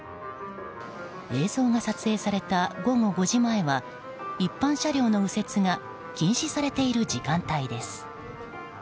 映像が撮影された午後５時前は一般車両の右折が禁止されている時間帯です。